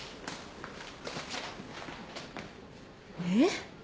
えっ？